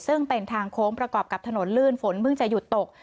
ซึ่งเป็นทางโค้งประกอบกับถนนลื่นฝนเพิ่งจะหยุดตก